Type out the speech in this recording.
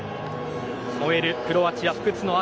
燃えるクロアチア、不屈の赤。